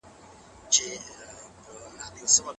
په هره ميلمستيا کي بايد کوم ډول خلګ راوبلل سي؟